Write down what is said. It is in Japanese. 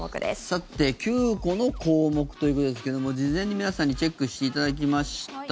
さて９個の項目ということですけども事前に皆さんにチェックしていただきました。